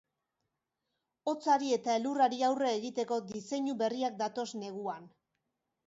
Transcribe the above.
Hotzari eta elurrari aurre egiteko diseinu berriak datoz neguan.